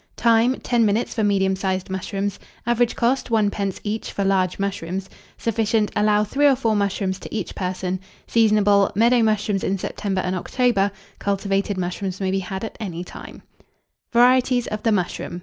Time. 10 minutes for medium sized mushrooms. Average cost, 1d. each for large mushrooms. Sufficient. Allow 3 or 4 mushrooms to each person. Seasonable. Meadow mushrooms in September and October; cultivated mushrooms may be had at any time. [Illustration: MUSHROOMS.] VARIETIES OF THE MUSHROOM.